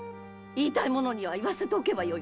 言いたい者には言わせておけばよいのです！